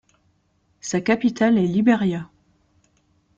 Sa capitale est Liberia.